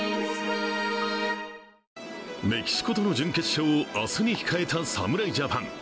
メキシコとの準決勝を明日に控えた侍ジャパン。